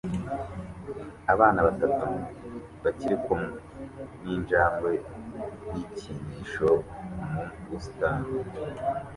Abana batatu barikumwe ninjangwe yikinisho mu busitani